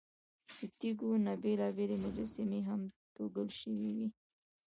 له تیږو نه بېلابېلې مجسمې هم توږل شوې وې.